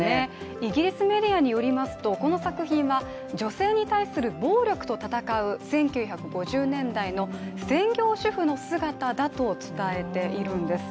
イギリスメディアによりますとこの作品は女性に対する暴力と闘う１９５０年代の専業主婦の姿だと伝えているんです。